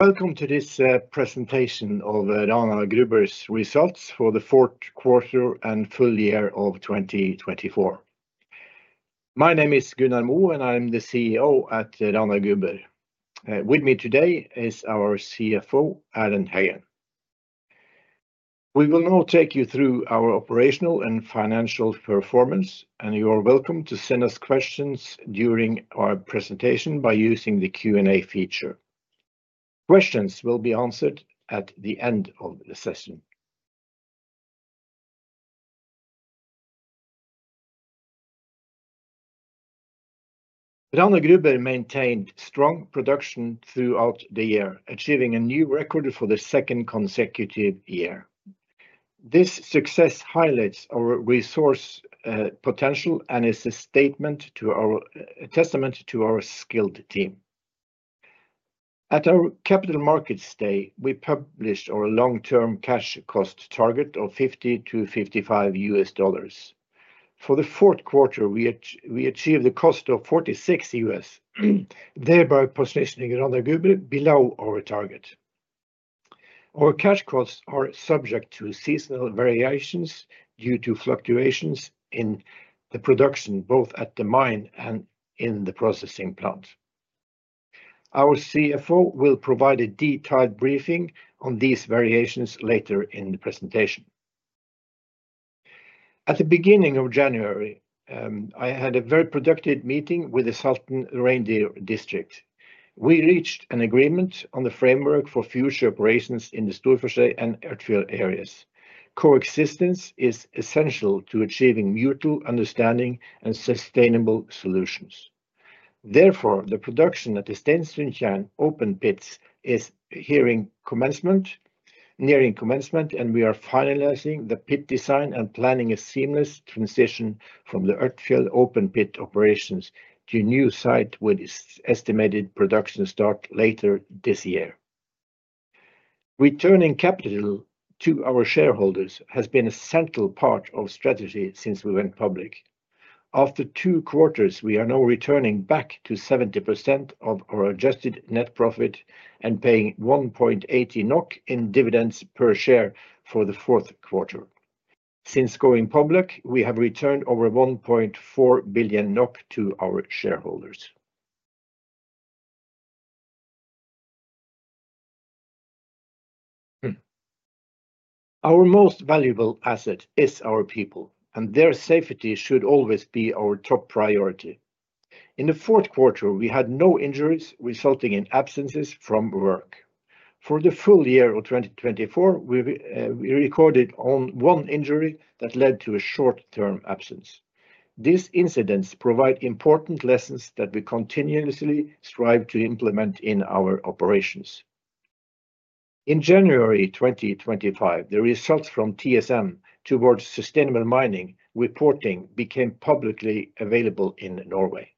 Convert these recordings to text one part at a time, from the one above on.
Welcome to this presentation of Rana Gruber's results for the fourth quarter and full year of 2024. My name is Gunnar Moe, and I'm the CEO at Rana Gruber. With me today is our CFO, Erlend Høyen. We will now take you through our operational and financial performance, and you are welcome to send us questions during our presentation by using the Q&A feature. Questions will be answered at the end of the session. Rana Gruber maintained strong production throughout the year, achieving a new record for the second consecutive year. This success highlights our resource potential and is a testament to our skilled team. At our Capital Markets Day, we published our long-term cash cost target of $50-$55. For the fourth quarter, we achieved a cost of $46, thereby positioning Rana Gruber below our target. Our cash costs are subject to seasonal variations due to fluctuations in the production, both at the mine and in the processing plant. Our CFO will provide a detailed briefing on these variations later in the presentation. At the beginning of January, I had a very productive meeting with the Saltfjellet reindeer district. We reached an agreement on the framework for future operations in the Storforshei and Ørtfjell areas. Coexistence is essential to achieving mutual understanding and sustainable solutions. Therefore, the production at the Stensundtjern open pits is nearing commencement, and we are finalizing the pit design and planning a seamless transition from the Ørtfjell open pit operations to a new site with an estimated production start later this year. Returning capital to our shareholders has been a central part of strategy since we went public. After two quarters, we are now returning back to 70% of our adjusted net profit and paying 1.80 NOK in dividends per share for the fourth quarter. Since going public, we have returned over 1.4 billion NOK to our shareholders. Our most valuable asset is our people, and their safety should always be our top priority. In the fourth quarter, we had no injuries resulting in absences from work. For the full year of 2024, we recorded one injury that led to a short-term absence. These incidents provide important lessons that we continuously strive to implement in our operations. In January 2025, the results from TSM Towards Sustainable Mining reporting became publicly available in Norway.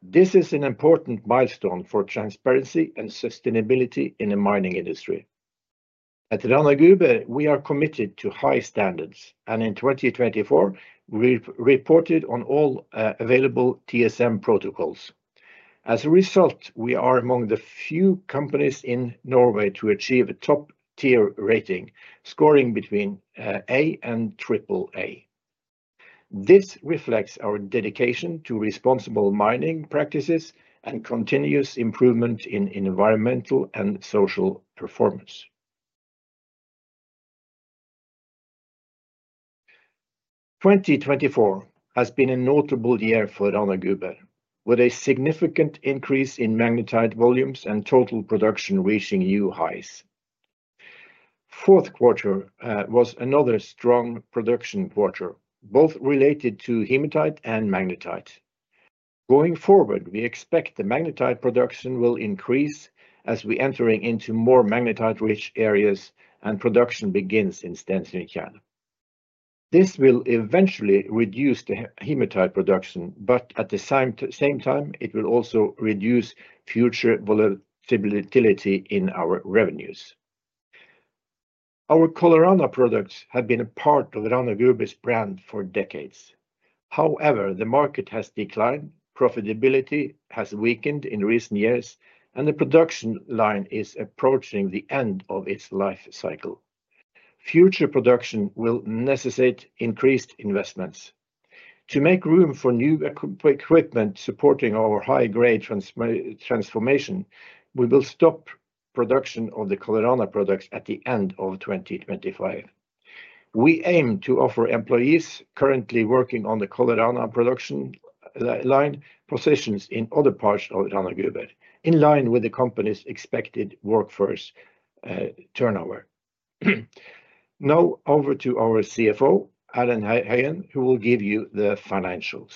This is an important milestone for transparency and sustainability in the mining industry. At Rana Gruber, we are committed to high standards, and in 2024, we reported on all available TSM protocols. As a result, we are among the few companies in Norway to achieve a top-tier rating, scoring between AA and AAA. This reflects our dedication to responsible mining practices and continuous improvement in environmental and social performance. 2024 has been a notable year for Rana Gruber, with a significant increase in magnetite volumes and total production reaching new highs. The fourth quarter was another strong production quarter, both related to hematite and magnetite. Going forward, we expect the magnetite production will increase as we enter into more magnetite-rich areas and production begins in Stensundtjern. This will eventually reduce the hematite production, but at the same time, it will also reduce future volatility in our revenues. Our Colorana products have been a part of Rana Gruber's brand for decades. However, the market has declined, profitability has weakened in recent years, and the production line is approaching the end of its life cycle. Future production will necessitate increased investments. To make room for new equipment supporting our high-grade transformation, we will stop production of the Colorana products at the end of 2025. We aim to offer employees currently working on the Colorana production line positions in other parts of Rana Gruber, in line with the company's expected workforce turnover. Now over to our CFO, Erlend Høyen, who will give you the financials.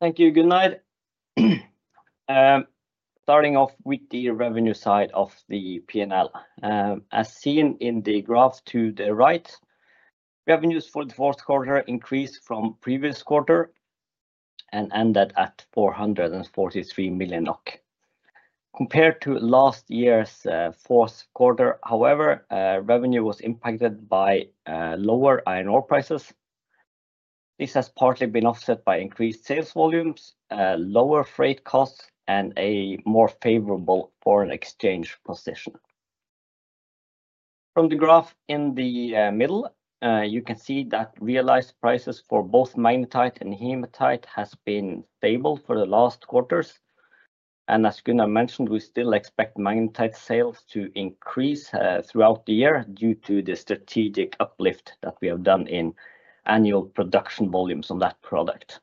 Thank you, Gunnar. Starting off with the revenue side of the P&L. As seen in the graph to the right, revenues for the fourth quarter increased from the previous quarter and ended at 443 million NOK. Compared to last year's fourth quarter, however, revenue was impacted by lower iron ore prices. This has partly been offset by increased sales volumes, lower freight costs, and a more favorable foreign exchange position. From the graph in the middle, you can see that realized prices for both magnetite and hematite have been stable for the last quarters. As Gunnar mentioned, we still expect magnetite sales to increase throughout the year due to the strategic uplift that we have done in annual production volumes on that product.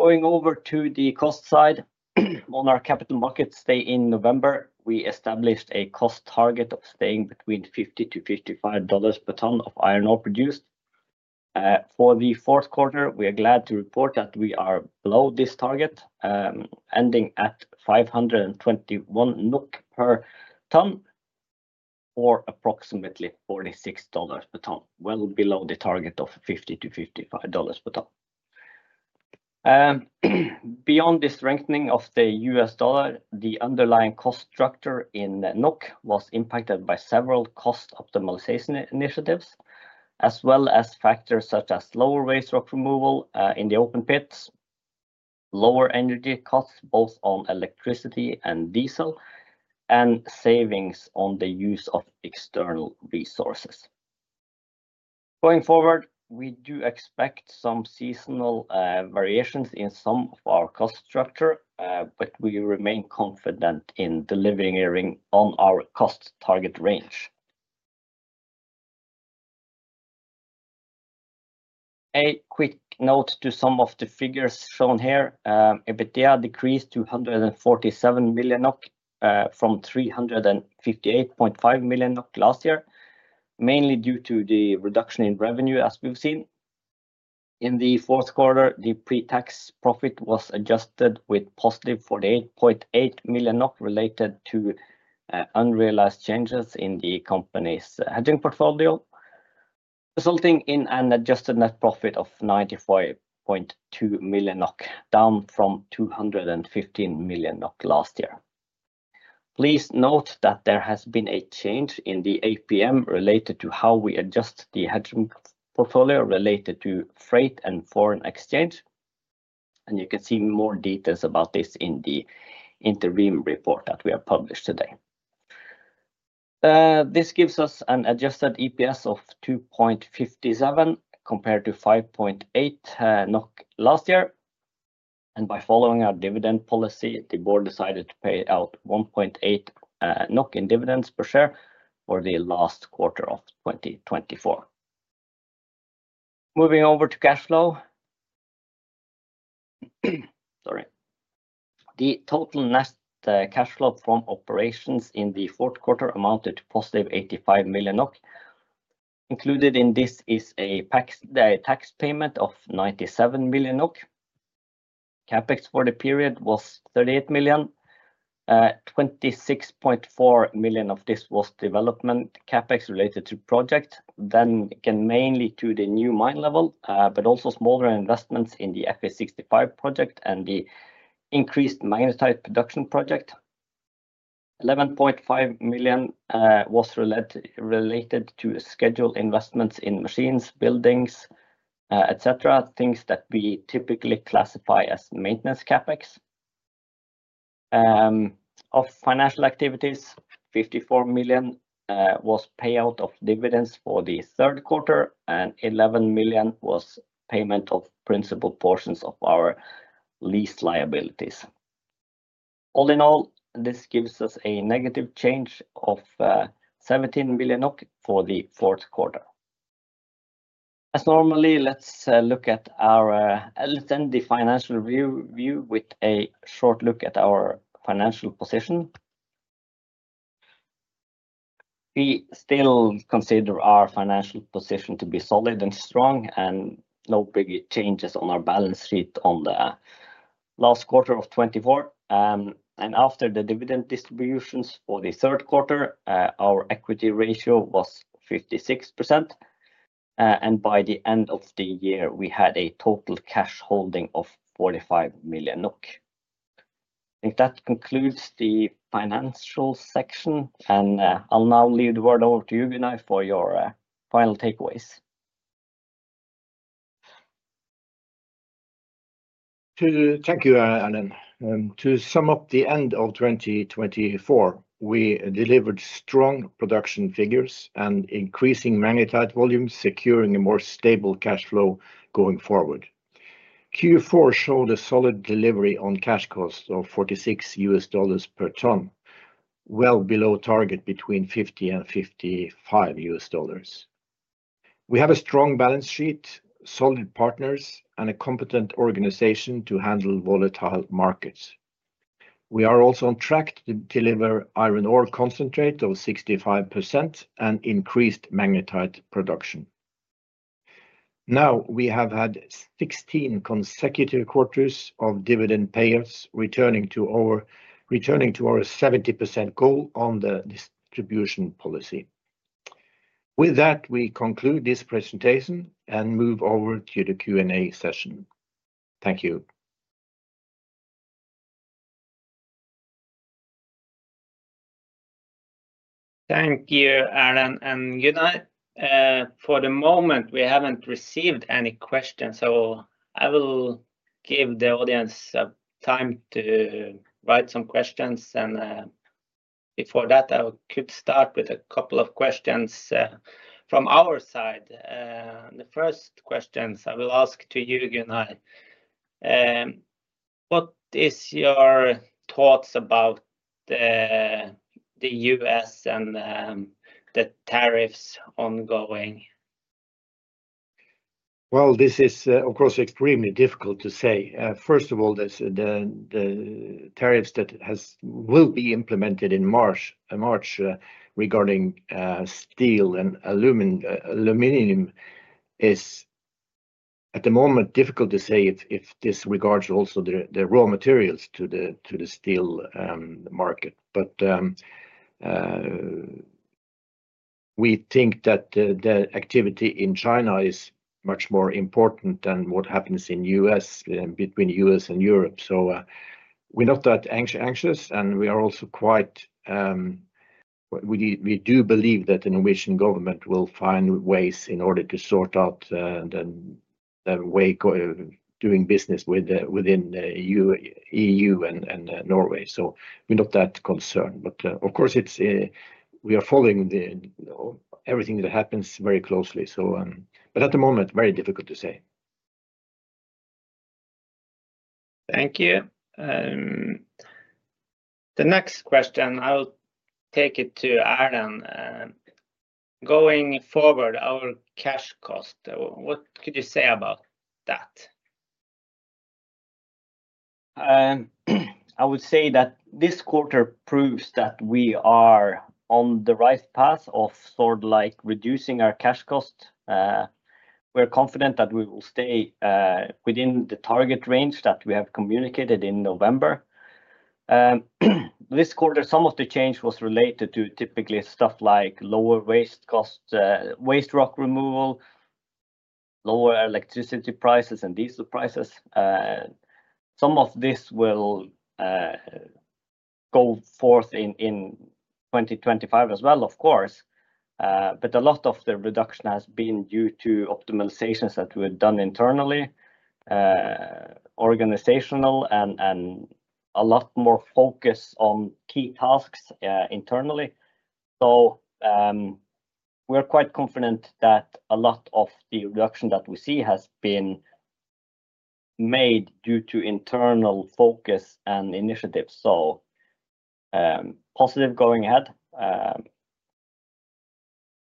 Going over to the cost side, on our capital markets day in November, we established a cost target of staying between $50-$55 per ton of iron ore produced. For the fourth quarter, we are glad to report that we are below this target, ending at 521 NOK per ton for approximately $46 per ton, well below the target of $50-$55 per ton. Beyond the strengthening of the US dollar, the underlying cost structure in NOK was impacted by several cost optimization initiatives, as well as factors such as lower waste rock removal in the open pits, lower energy costs both on electricity and diesel, and savings on the use of external resources. Going forward, we do expect some seasonal variations in some of our cost structure, but we remain confident in delivering on our cost target range. A quick note to some of the figures shown here: EBITDA decreased to 147 million NOK from 358.5 million NOK last year, mainly due to the reduction in revenue as we've seen. In the fourth quarter, the pre-tax profit was adjusted with positive 48.8 million NOK related to unrealized changes in the company's hedging portfolio, resulting in an adjusted net profit of 95.2 million NOK, down from 215 million NOK last year. Please note that there has been a change in the APM related to how we adjust the hedging portfolio related to freight and foreign exchange. You can see more details about this in the interim report that we have published today. This gives us an adjusted EPS of 2.57 compared to 5.8 NOK last year. By following our dividend policy, the board decided to pay out 1.8 in dividends per share for the last quarter of 2024. Moving over to cash flow. Sorry. The total net cash flow from operations in the fourth quarter amounted to positive 85 million NOK. Included in this is a tax payment of 97 million NOK. Capex for the period was 38 million. 26.4 million of this was development capex related to projects, mainly to the new mine level, but also smaller investments in the Fe65 project and the increased magnetite production project. 11.5 million was related to scheduled investments in machines, buildings, etc., things that we typically classify as maintenance capex. Of financial activities, 54 million was payout of dividends for the third quarter, and 11 million was payment of principal portions of our lease liabilities. All in all, this gives us a negative change of 17 million for the fourth quarter. As normally, let's look at our finance review with a short look at our financial position. We still consider our financial position to be solid and strong, and no big changes on our balance sheet on the last quarter of 2024. After the dividend distributions for the third quarter, our equity ratio was 56%. By the end of the year, we had a total cash holding of 45 million NOK. I think that concludes the financial section, and I'll now leave the word over to you, Gunnar, for your final takeaways. Thank you, Erlend. To sum up the end of 2024, we delivered strong production figures and increasing magnetite volumes, securing a more stable cash flow going forward. Q4 showed a solid delivery on cash costs of $46 per ton, well below target between $50 and $55. We have a strong balance sheet, solid partners, and a competent organization to handle volatile markets. We are also on track to deliver iron ore concentrate of 65% and increased magnetite production. Now we have had 16 consecutive quarters of dividend payers returning to our 70% goal on the distribution policy. With that, we conclude this presentation and move over to the Q&A session. Thank you. Thank you, Erlend and Gunnar. For the moment, we haven't received any questions, so I will give the audience time to write some questions. Before that, I could start with a couple of questions from our side. The first question I will ask to you, Gunnar, what are your thoughts about the U.S. and the tariffs ongoing? This is, of course, extremely difficult to say. First of all, the tariffs that will be implemented in March regarding steel and aluminum are, at the moment, difficult to say if this regards also the raw materials to the steel market. We think that the activity in China is much more important than what happens in the U.S., between the U.S. and Europe. We are not that anxious, and we are also quite—we do believe that the Norwegian government will find ways in order to sort out the way of doing business within the E.U. and Norway. We are not that concerned. Of course, we are following everything that happens very closely. At the moment, very difficult to say. Thank you. The next question, I'll take it to Erlend. Going forward, our cash cost, what could you say about that? I would say that this quarter proves that we are on the right path of sort of reducing our cash cost. We're confident that we will stay within the target range that we have communicated in November. This quarter, some of the change was related to typically stuff like lower waste costs, waste rock removal, lower electricity prices and diesel prices. Some of this will go forth in 2025 as well, of course. A lot of the reduction has been due to optimizations that we've done internally, organizational, and a lot more focus on key tasks internally. We're quite confident that a lot of the reduction that we see has been made due to internal focus and initiatives. Positive going ahead.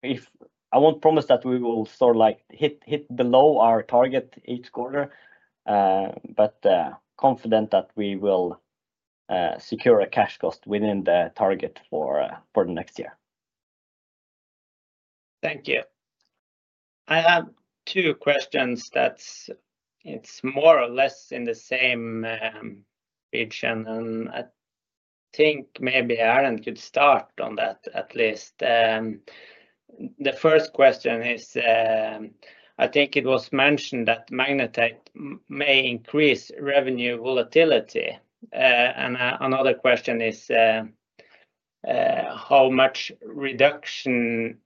I won't promise that we will sort of hit below our target each quarter, but confident that we will secure a cash cost within the target for the next year. Thank you. I have two questions that are more or less in the same region. I think maybe Erlend could start on that at least. The first question is, I think it was mentioned that magnetite may increase revenue volatility. Another question is, how much reduction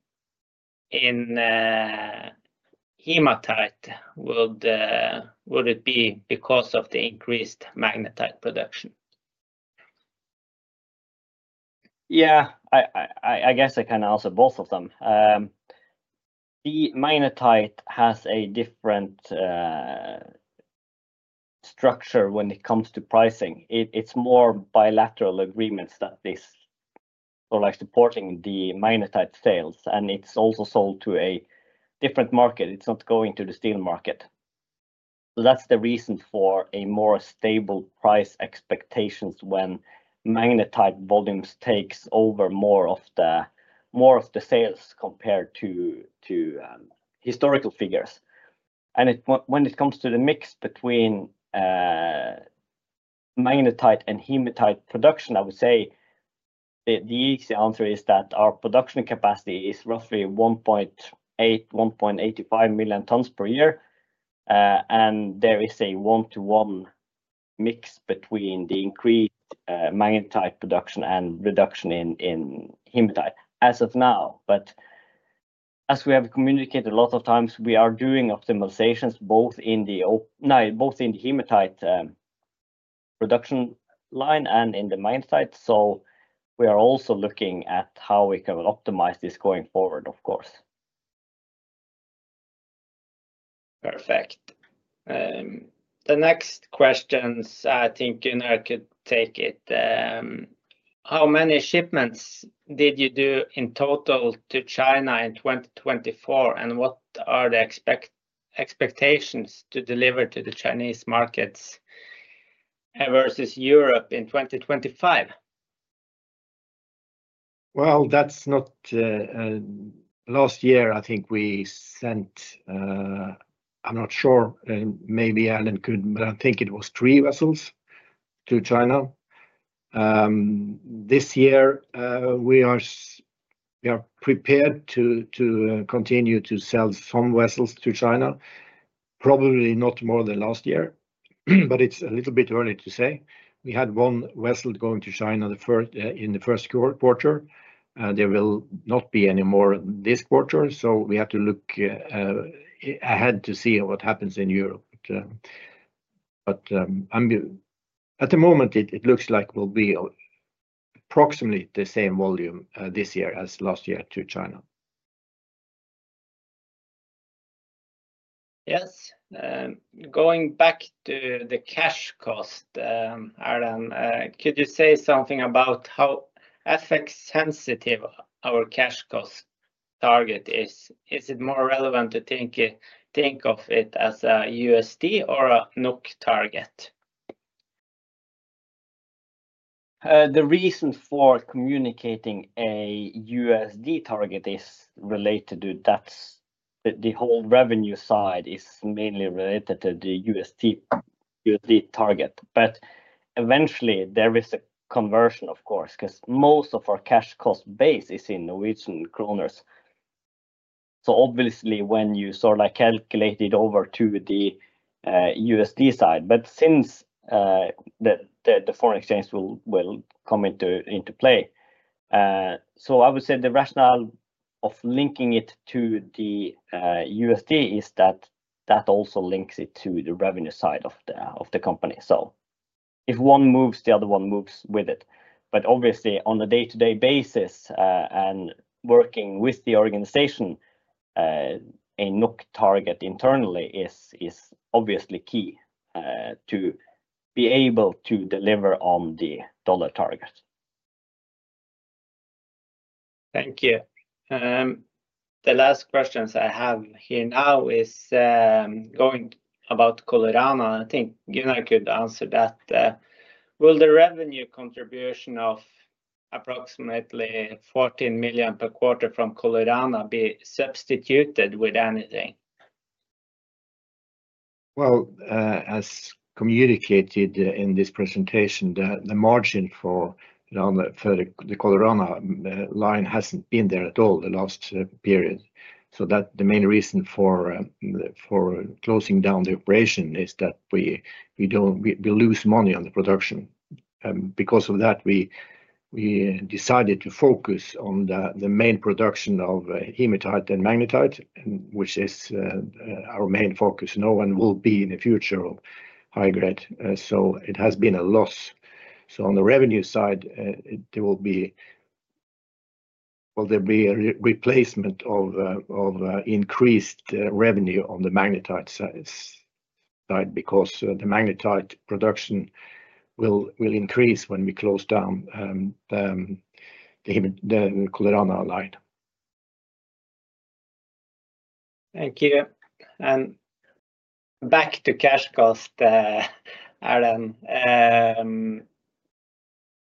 in hematite would it be because of the increased magnetite production? Yeah, I guess I can answer both of them. The magnetite has a different structure when it comes to pricing. It's more bilateral agreements that are supporting the magnetite sales. It's also sold to a different market. It's not going to the steel market. That's the reason for more stable price expectations when magnetite volumes take over more of the sales compared to historical figures. When it comes to the mix between magnetite and hematite production, I would say the easy answer is that our production capacity is roughly 1.8-1.85 million tons per year. There is a one-to-one mix between the increased magnetite production and reduction in hematite as of now. As we have communicated a lot of times, we are doing optimizations both in the hematite production line and in the magnetite. We are also looking at how we can optimize this going forward, of course. Perfect. The next questions, I think Gunnar could take it. How many shipments did you do in total to China in 2024? What are the expectations to deliver to the Chinese markets versus Europe in 2025? That's not last year, I think we sent, I'm not sure, maybe Erlend could, but I think it was three vessels to China. This year, we are prepared to continue to sell some vessels to China, probably not more than last year, but it's a little bit early to say. We had one vessel going to China in the first quarter. There will not be any more this quarter. We have to look ahead to see what happens in Europe. At the moment, it looks like it will be approximately the same volume this year as last year to China. Yes. Going back to the cash cost, Erlend, could you say something about how FX-sensitive our cash cost target is? Is it more relevant to think of it as a USD or a NOK target? The reason for communicating a USD target is related to that the whole revenue side is mainly related to the USD target. Eventually, there is a conversion, of course, because most of our cash cost base is in NOK. Obviously, when you sort of calculate it over to the USD side, the foreign exchange will come into play. I would say the rationale of linking it to the USD is that that also links it to the revenue side of the company. If one moves, the other one moves with it. Obviously, on a day-to-day basis and working with the organization, a NOK target internally is obviously key to be able to deliver on the dollar target. Thank you. The last questions I have here now is going about Colorana. I think Gunnar could answer that. Will the revenue contribution of approximately $14 million per quarter from Colorana be substituted with anything? As communicated in this presentation, the margin for the Colorana line has not been there at all the last period. The main reason for closing down the operation is that we lose money on the production. Because of that, we decided to focus on the main production of hematite and magnetite, which is our main focus. No one will be in the future of high grade. It has been a loss. On the revenue side, there will be a replacement of increased revenue on the magnetite side because the magnetite production will increase when we close down the Colorana line. Thank you. Back to cash cost, Erlend.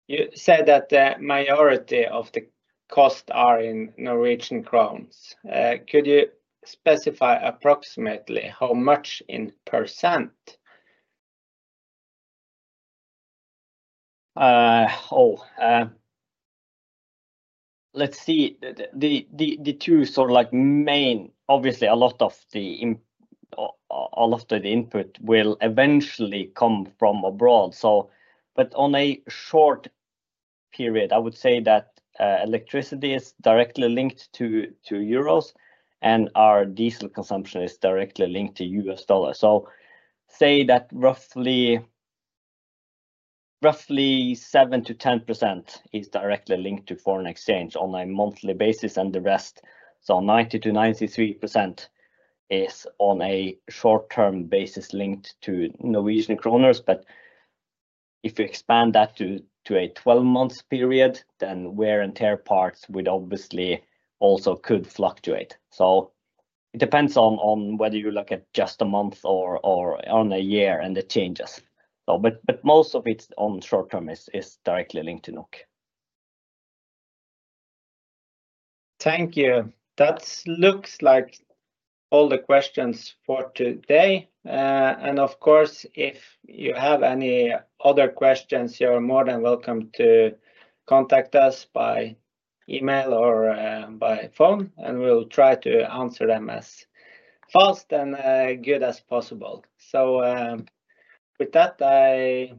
You said that the majority of the costs are in Norwegian krones. Could you specify approximately how much in percent? Oh, let's see. The two sort of main, obviously, a lot of the input will eventually come from abroad. But on a short period, I would say that electricity is directly linked to EUR and our diesel consumption is directly linked to US dollars. Say that roughly 7-10% is directly linked to foreign exchange on a monthly basis and the rest, so 90-93%, is on a short-term basis linked to Norwegian kroners. If you expand that to a 12-month period, then wear and tear parts would obviously also could fluctuate. It depends on whether you look at just a month or on a year and the changes. Most of it on short-term is directly linked to NOK. Thank you. That looks like all the questions for today. Of course, if you have any other questions, you are more than welcome to contact us by email or by phone, and we will try to answer them as fast and good as possible. With that, I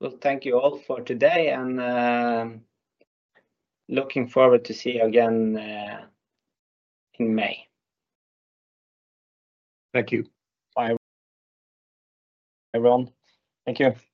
will thank you all for today and look forward to seeing you again in May. Thank you. Bye. Thank you.